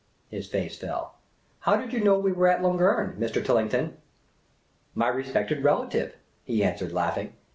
His face fell. " How did you know we were at Lungern, Mr. Tillington?" *' My respected relative," he answered, laughing.